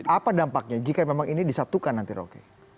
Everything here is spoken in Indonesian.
apa dampaknya jika ini disatukan nanti roke